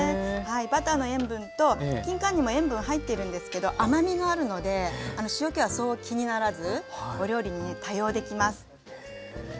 バターの塩分ときんかんにも塩分入ってるんですけど甘みがあるので塩けはそう気にならずお料理にね多用できます。